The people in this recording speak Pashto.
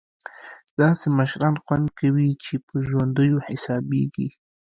داسې مشران خوند کوي چې په ژوندیو حسابېږي.